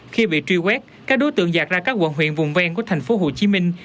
khi bị truy quét các đối tượng giạt ra các quận huyện vùng ven của thành phố hồ chí minh